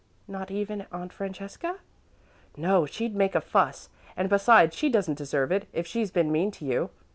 "Not even Aunt Francesca?" "No, she'd make a fuss. And besides, she doesn't deserve it, if she's been mean to you."